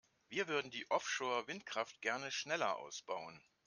Wir würden die Offshore-Windkraft gerne schneller ausbauen.